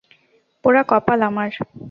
পোড়া কপাল আমার!